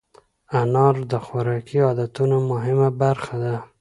انار د خوراکي عادتونو مهمه برخه ده.